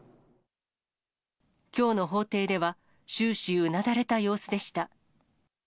きょうの法廷では、終始、うなだれた様子でした。